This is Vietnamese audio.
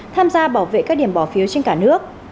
tham gia bảo vệ các điểm bỏ phiếu trên cả nước